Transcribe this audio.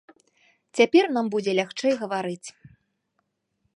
Цяпер нам будзе лягчэй гаварыць.